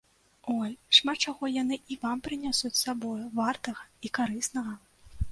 Ой, шмат чаго яны і вам прынясуць з сабою вартага і карыснага.